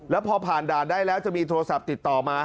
แล้วพอผ่านด่านได้แล้วจะมีโทรศัพท์ติดต่อมา